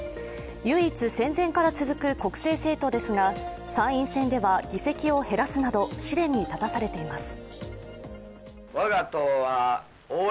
唯一、戦前から続く国政政党ですが参院選では議席を減らすなど試練に立たされています。